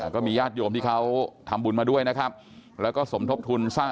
ก็มีญาติโยมที่เขาทำบุญมาด้วยนะครับแล้วก็สมทบทุนสร้าง